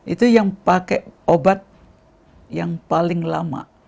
itu yang pakai obat yang paling lama